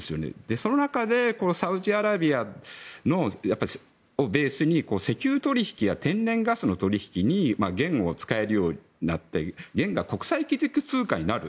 その中でサウジアラビアをベースに石油取引や天然ガスの取引に元を使えるようになって元が国際基軸通貨になる。